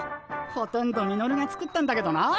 ほとんどミノルが作ったんだけどな。